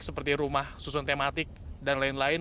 seperti rumah susun tematik dan lain lain